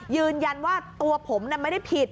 ยืนยันว่าตัวผมไม่ได้ผิด